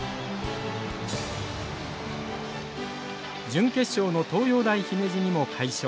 準決勝の東洋大姫路にも快勝。